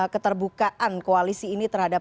keterbukaan koalisi ini terhadap